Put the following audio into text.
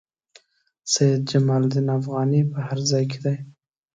سید جمال الدین افغاني په هر ځای کې.